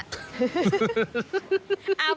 คุณชนะ